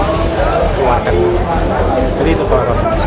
jadi itu salah satu